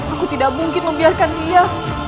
aku tidak mungkin membiarkan dia